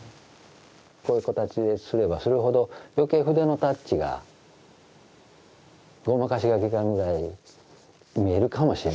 こういう形ですればするほど余計筆のタッチがごまかしがきかんぐらい見えるかもしれませんね。